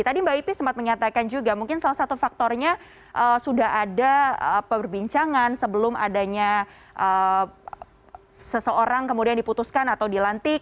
tadi mbak ipi sempat menyatakan juga mungkin salah satu faktornya sudah ada perbincangan sebelum adanya seseorang kemudian diputuskan atau dilantik